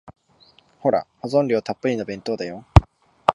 ほら、保存料たっぷりの弁当だよ。